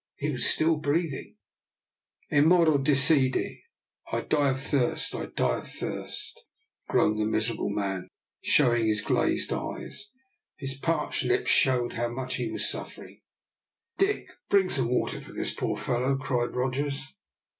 He was still breathing. "Eu moro de sede (I die of thirst, I die of thirst)," groaned the miserable man, showing his glazed eyes. His parched lips showed how much he was suffering. "Dick, bring some water for this poor fellow," cried Rogers.